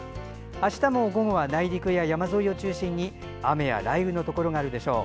あしたも午後は内陸や山沿いを中心に雨や雷雨のところがあるでしょう。